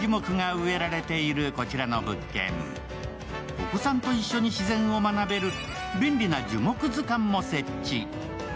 お子さんと一緒に自然を学べる便利な樹木図鑑も設置。